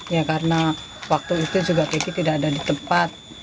ya karena waktu itu juga kiki tidak ada di tempat